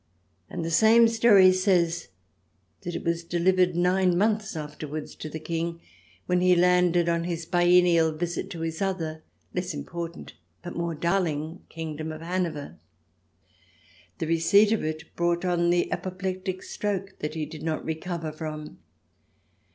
And the same story says that it was de livered nine months afterwards to the King when he landed on his biennial visit to his other less important but more darling kingdom of Hanover. The receipt of it brought on the apoplectic stroke that he did not recover from.